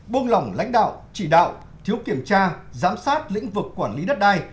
buông lỏng lãnh đạo chỉ đạo thiếu kiểm tra giám sát lĩnh vực quản lý đất đai